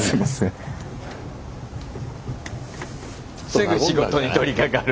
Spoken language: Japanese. すぐ仕事に取りかかる。